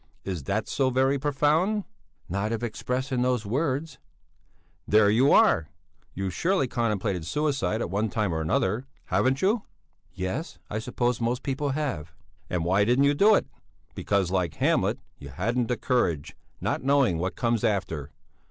Is that so very profound?" "Not if expressed in those words." "There you are! You've surely contemplated suicide at one time or another? Haven't you?" "Yes; I suppose most people have." "And why didn't you do it? Because, like Hamlet, you hadn't the courage, not knowing what comes after.